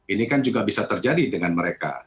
ini kan juga bisa terjadi dengan mereka